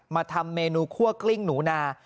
ทำเมนูคั่วกลิ้งหนูนา